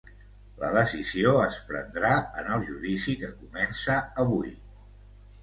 La decisió es prendrà en el judici que comença avui.